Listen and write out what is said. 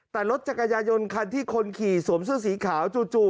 แต่รถจักรยายนคันที่คนขี่สวมเสื้อสีขาวจู่